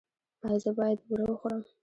ایا زه باید بوره وخورم؟